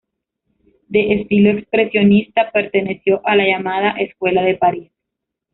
De estilo expresionista, perteneció a la llamada Escuela de París.